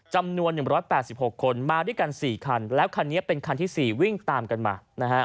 จำนวน๑๘๖คนมาด้วยกัน๔คันแล้วคันนี้เป็นคันที่๔วิ่งตามกันมา